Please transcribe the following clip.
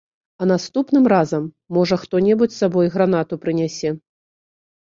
А наступным разам, можа, хто-небудзь з сабой гранату прынясе.